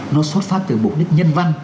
nó xuất phát từ mục đích nhân văn